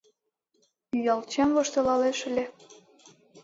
Ӱялчем воштылалеш ыле.